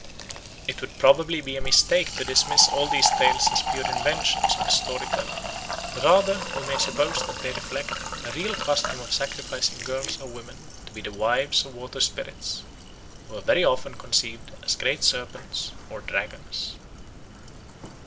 It would probably be a mistake to dismiss all these tales as pure inventions of the story teller. Rather we may suppose that they reflect a real custom of sacrificing girls or women to be the wives of waterspirits, who are very often conceived as great serpents or dragons.